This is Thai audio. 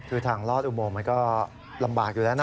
คือทางลอดอุโมงมันก็ลำบากอยู่แล้วนะ